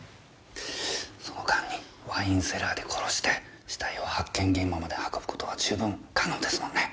その間にワインセラーで殺して死体を発見現場まで運ぶ事は十分可能ですもんね？